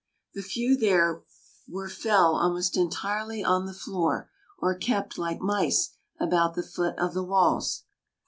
The few there were fell almost entirely on the floor, or kept like mice about the foot of the walls.